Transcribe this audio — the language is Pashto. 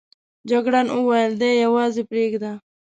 جګړن وویل دی یوازې پرېږده.